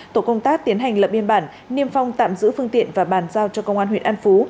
tổ công tác tiến hành lập biên bản niêm phong tạm giữ phương tiện và bàn giao cho công an huyện an phú